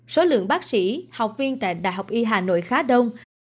số lượng bác sĩ học viên tại đh y hà nội khá đông